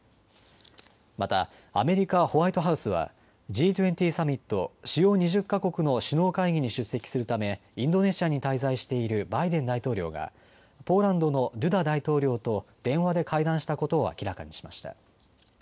またアメリカ・ホワイトハウスはＧ２０サミット・主要２０か国の首脳会議に出席するためインドネシアに滞在しているバイデン大統領がポーランドのドゥダ大統領と電話で会談したことを明らかにしました。